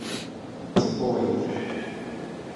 D tibbuɣyelt.